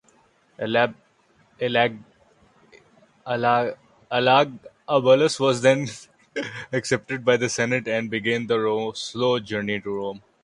Elagabalus was then accepted by the senate, and began the slow journey to Rome.